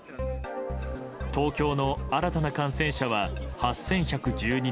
東京の新たな感染者は８１１２人。